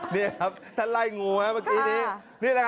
นี่ครับท่านไล่งูครับเมื่อกี้นี้